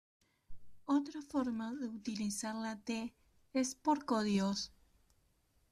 Otra forma de utilizar la T es por códigos.